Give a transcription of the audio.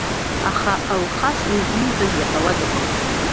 Аха Алхас уи ииҳәаз иаҳауа дыҟамызт…